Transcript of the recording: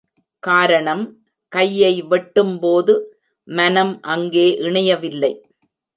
காரணம், கையை வெட்டும் போது மனம் அங்கே இணையவில்லை.